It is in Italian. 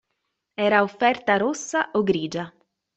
Era offerta rossa o grigia.